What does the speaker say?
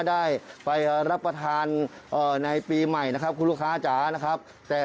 ได้ไปรับประทานในปีใหม่นะครับคุณลูกค้าจ๋านะครับแต่